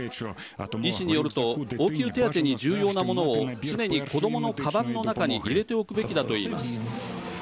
医師によると応急手当てに重要なものを常に子どものかばんの中に入れておくべきだと言います。